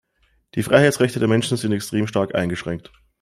Die Freiheitsrechte der Menschen sind extrem stark eingeschränkt.